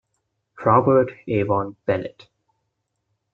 Robert Avon Bennett.